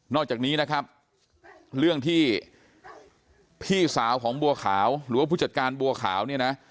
นอกจากนี้เรื่องที่พี่สาวของบัวขาวหรือผู้จัดการบัวขาว